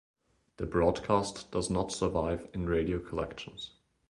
The broadcast does not survive in radio collections.